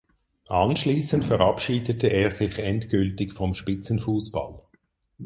Anschließend verabschiedete er sich endgültig vom Spitzenfußball.